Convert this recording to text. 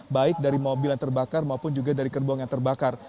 baik dari mobil yang terbakar maupun juga dari gerbong yang terbakar